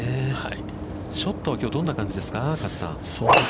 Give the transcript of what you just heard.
ショットはきょうどんな感じですか、加瀬さん。